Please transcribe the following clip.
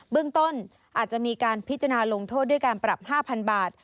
ต้นอาจจะมีการพิจารณาลงโทษด้วยการปรับ๕๐๐บาท